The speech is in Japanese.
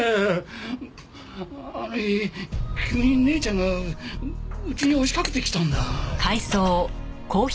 あの日急に姉ちゃんが家に押しかけてきたんだ。